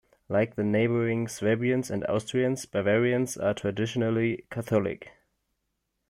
Like the neighboring Swabians and Austrians, Bavarians are traditionally Catholic.